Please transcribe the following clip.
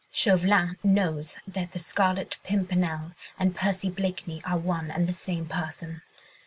Chauvelin knows that the Scarlet Pimpernel and Percy Blakeney are one and the same person.